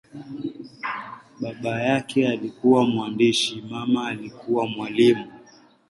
Baba yake alikuwa mwandishi, mama alikuwa mwalimu.